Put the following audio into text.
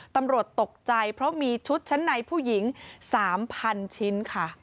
ตำรวจตกใจเพราะมีชุดชั้นในผู้หญิง๓๐๐ชิ้นค่ะ